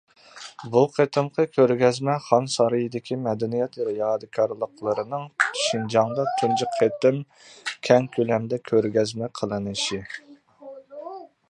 بۇ قېتىمقى كۆرگەزمە خان سارىيىدىكى مەدەنىيەت يادىكارلىقلىرىنىڭ شىنجاڭدا تۇنجى قېتىم كەڭ كۆلەمدە كۆرگەزمە قىلىنىشى.